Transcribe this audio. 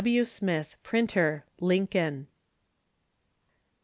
W. Smith, Printer, Lincoln.